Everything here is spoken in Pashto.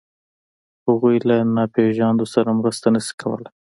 هغوی له ناپېژاندو سره مرسته نهشي کولی.